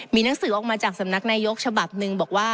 มีหนังสือออกมาจากสำนักนายกฉบับหนึ่งบอกว่า